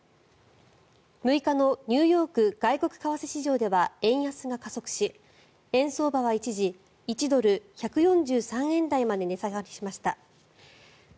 ６日のニューヨーク外国為替市場では円安が加速し円相場は一時１ドル＝１４３円台まで値下がりしました。